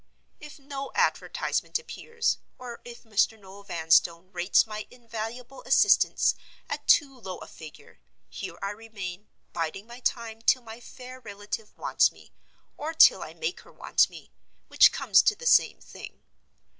If no advertisement appears, or if Mr. Noel Vanstone rates my invaluable assistance at too low a figure, here I remain, biding my time till my fair relative wants me, or till I make her want me, which comes to the same thing.